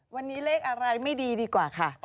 วันนี้เลขอะไรไม่ดีดีกว่าค่ะ